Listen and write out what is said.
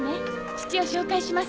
父を紹介します。